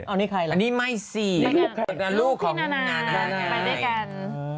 อันนี้ไม้สีลูกของนานาย